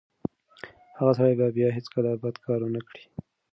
هغه سړی به بیا هیڅکله بد کار ونه کړي.